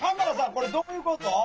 これどういうこと？